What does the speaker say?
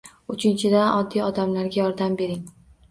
Uchinchidan, oddiy odamlarga yordam bering